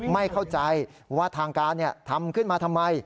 ไม่เข้าใจว่าทางการทำขึ้นมาทำไม